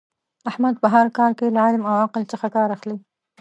احمد په هر کار کې له علم او عقل څخه کار اخلي.